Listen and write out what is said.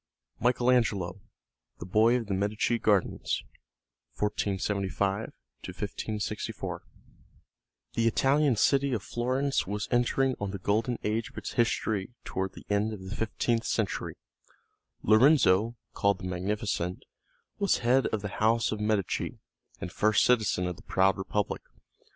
II Michael Angelo The Boy of the Medici Gardens: 1475 1564 The Italian city of Florence was entering on the Golden Age of its history toward the end of the fifteenth century. Lorenzo, called the Magnificent, was head of the house of Medici, and first citizen of the proud Republic.